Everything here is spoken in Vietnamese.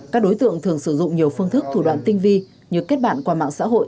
các đối tượng thường sử dụng nhiều phương thức thủ đoạn tinh vi như kết bạn qua mạng xã hội